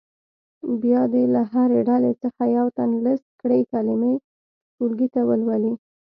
بیا دې له هرې ډلې څخه یو تن لیست کړې کلمې ټولګي ته ولولي.